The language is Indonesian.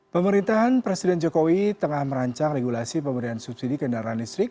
pemerintahan presiden jokowi tengah merancang regulasi pemberian subsidi kendaraan listrik